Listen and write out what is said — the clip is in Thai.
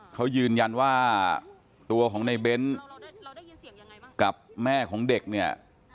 เขายืนยันว่าตัวของในเบ้นกับแม่ของเด็กเนี่ย